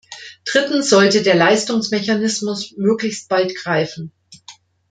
Drittens sollte der Leistungsmechanismus möglichst bald greifen.